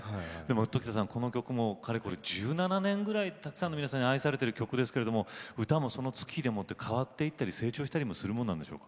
常田さん、この曲もかれこれ１７年ぐらい、たくさんの方に愛されている曲ですけども歌もその月日を持って変わっていったり成長したりもするものなんでしょうか？